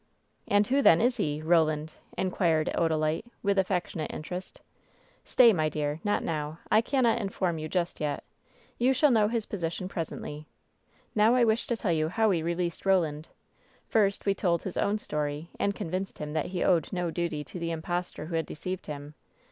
"And who, then, is he — ^Roland?" inquired Odalite, with affectionate interest. "Stay, my dear! Not now! I cannot inform you just yet. You shall know his position presently. Now I wish to tell you how we released Roland. First we told his own story and convinced him that he owed no duty to the impostor who had deceived him.